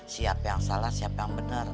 siap yang salah siap yang bener